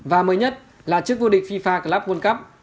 và mới nhất là chiếc vô địch fifa club world cup